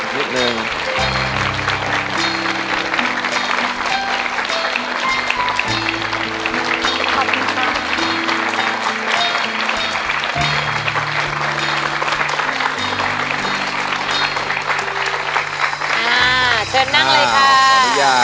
เชิญนั่งเลยค่ะ